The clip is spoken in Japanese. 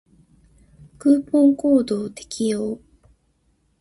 クーポンコードを適用